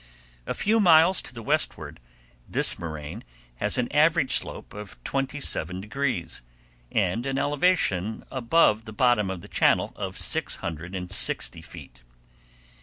A few miles to the westward, this moraine has an average slope of twenty seven degrees, and an elevation above the bottom of the channel of six hundred and sixty feet.